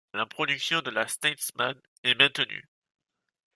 La production de la Statesman est maintenu.